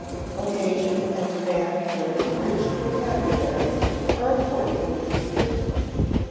Occasion and demand for an enriched vocabulary are accordingly restricted.